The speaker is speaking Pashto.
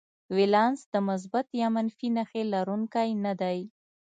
ولانس د مثبت یا منفي نښې لرونکی نه دی.